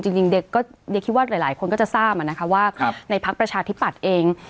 จริงคิดว่าหลายคนก็จะทราบนะคะว่าในพักประชาธิปัตย์เอง